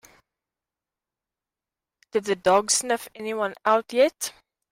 Did the dog sniff anyone out yet?